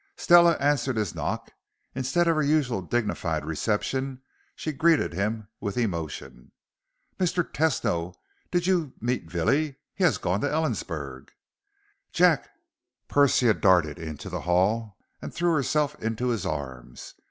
Stella answered his knock. Instead of her usual dignified reception, she greeted him with emotion. "Mr. Tesno! Did you meet Villie? He has gone to Ellensburg." "Jack!" Persia darted into the hall and threw herself into his arms.